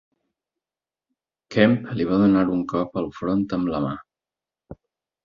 Kemp li va donar un cop al front amb la mà.